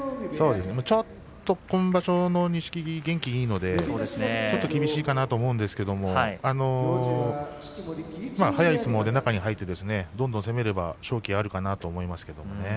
ちょっと今場所の錦木元気いいのでちょっと厳しいかなと思うんですけど速い相撲で中に入ってどんどん攻めれば勝機があるかなと思いますけどね。